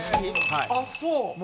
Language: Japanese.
ああそう？